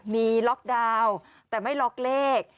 มีล็อกดาวน์แต่ไม่ล็อกเลข